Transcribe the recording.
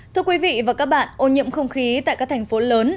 thưa quý vị và các bạn ô nhiễm không khí tại các thành phố lớn